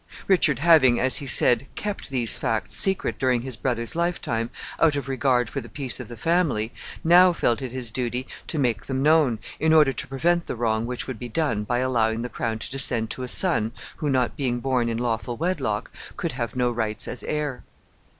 Richard having, as he said, kept these facts secret during his brother's lifetime, out of regard for the peace of the family, now felt it his duty to make them known, in order to prevent the wrong which would be done by allowing the crown to descend to a son who, not being born in lawful wedlock, could have no rights as heir.